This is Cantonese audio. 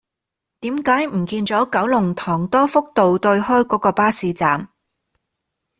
點解唔見左九龍塘多福道對開嗰個巴士站